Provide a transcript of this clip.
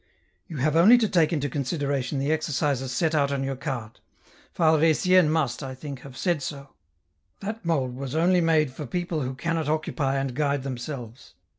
" You have only to take into consideration the exercises set out on your card ; Father Etienne must, I think, have said so ; that mould was only made for people who cannot occupy and guide themselves.